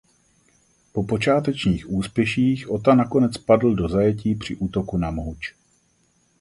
Po počátečních úspěších Ota nakonec padl do zajetí při útoku na Mohuč.